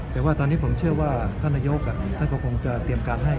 แต่ว่าตอนนี้ผมเชื่อว่าท่านนายกท่านก็คงจะเตรียมการให้